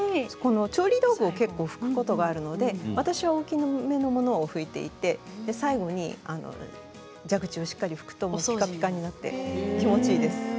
調理道具を結構拭くことがあるので私は大きめのもので拭いていて最後に蛇口をしっかり拭くとピカピカになって気持ちがいいです。